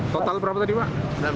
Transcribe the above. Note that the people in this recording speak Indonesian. total berapa tadi pak